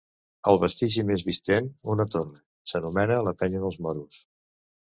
El vestigi més vistent, una torre, s'anomena la Penya dels Moros.